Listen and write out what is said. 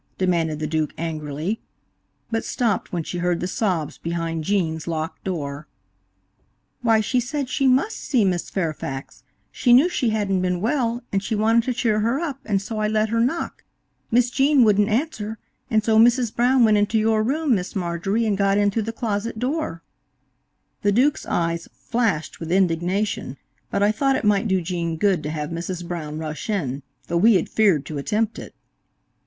demanded the Duke angrily, but stopped when she heard the sobs behind Gene's locked door. "Why, she said she must see Miss Fairfax; she knew she hadn't been well, and she wanted to cheer her up, and so I let her knock. Miss Gene wouldn't answer, and so Mrs. Brown went into your room, Miss Marjorie, and got in through the closet door." The Duke's eyes flashed with indignation, but I thought it might do Gene good to have Mrs. Brown rush in, though we had feared to attempt it.